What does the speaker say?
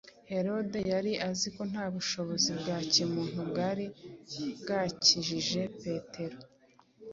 Herode yari azi ko nta bushobozi bwa kimuntu bwari bwakijije Petero,